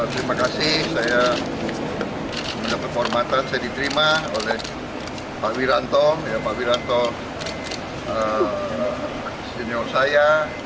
terima kasih saya mendapat hormatan saya diterima oleh pak wiranto pak wiranto senior saya